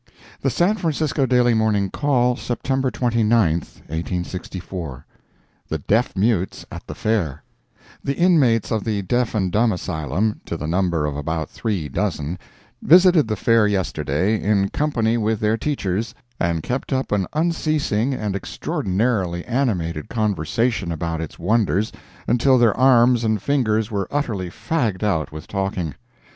The San Francisco Daily Morning Call, September 29, 1864 THE DEAF MUTES AT THE FAIR The inmates of the Deaf and Dumb Asylum, to the number of about three dozen, visited the Fair yesterday, in company with their Teachers, and kept up an unceasing and extraordinarily animated conversation about its wonders until their arms and fingers were utterly fagged out with talking.